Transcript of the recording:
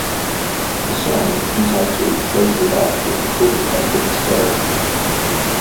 The song, entitled "Pray For Love", was recorded by Vince Hill.